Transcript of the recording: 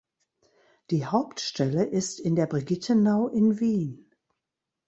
Die Hauptstelle ist in der Brigittenau in Wien.